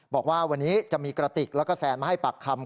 บอกว่าวันนี้จะมีกระติกแล้วก็แซนมาให้ปากคำ